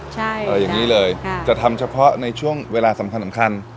ใช่อะไรอย่างนี้เลยจะทำเฉพาะในช่วงเวลาสำคัญ